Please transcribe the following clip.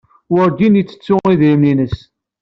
Werǧin yettettu idrimen-nnes.